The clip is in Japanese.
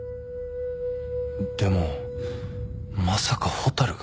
でもまさか蛍が。